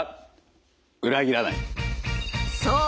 そう！